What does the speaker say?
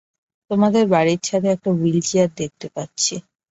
তোমাদের বাড়ির ছাদে একটা উইলচেয়ার দেখতে পাচ্ছি।